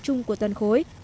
trung của toàn khối